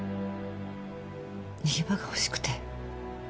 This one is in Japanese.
逃げ場が欲しくて。